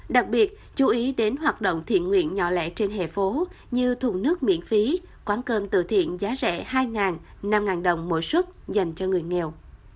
đặc biệt chú ý đến hoạt động thiện nguyện nhỏ lẻ trên hè phố như thùng nước miễn phí quán cơm từ thiện giá rẻ hai năm đồng mỗi xuất dành cho người nghèo